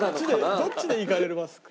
どっちでいかれますか？